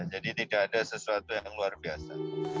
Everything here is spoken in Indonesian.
jadi tidak ada sesuatu yang luar biasa